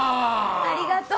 ありがとう。